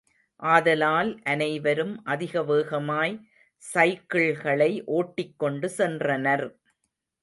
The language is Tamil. ஆதலால் அனைவரும் அதிக வேகமாய் சைக்கிள்களை ஓட்டிக்கொண்டு சென்றனர்.